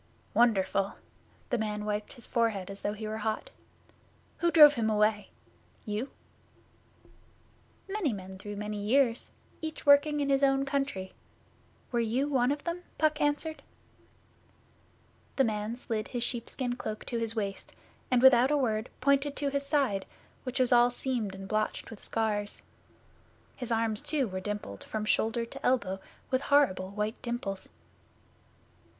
'Wonderful!' The man wiped his forehead as though he were hot. 'Who drove him away? You?' 'Many men through many years, each working in his own country. Were you one of them?' Puck answered. The man slid his sheepskin cloak to his waist, and without a word pointed to his side, which was all seamed and blotched with scars. His arms, too, were dimpled from shoulder to elbow with horrible white dimples.